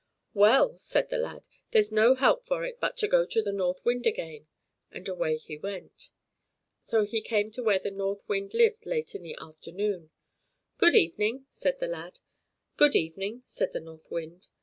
"Well," said the lad, "there's no help for it but to go to the North Wind again;" and away he went. So he came to where the North Wind lived late in the afternoon. "Good evening!" said the lad. "Good evening," said the North Wind.